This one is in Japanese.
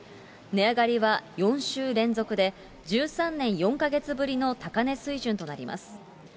値上がりは４週連続で、１３年４か月ぶりの高値水準となります。